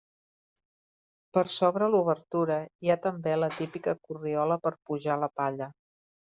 Per sobre l'obertura hi ha també la típica corriola per pujar la palla.